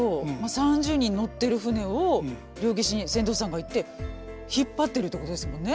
３０人乗ってる船を両岸に船頭さんがいて引っ張ってるってことですもんね。